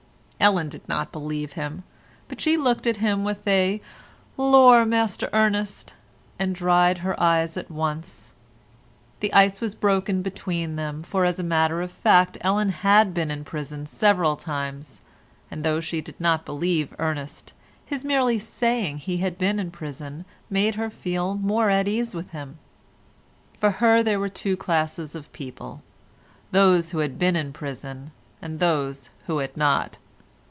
Ellen did not believe him, but she looked at him with a "Lor'! Master Ernest," and dried her eyes at once. The ice was broken between them, for as a matter of fact Ellen had been in prison several times, and though she did not believe Ernest, his merely saying he had been in prison made her feel more at ease with him. For her there were two classes of people, those who had been in prison and those who had not.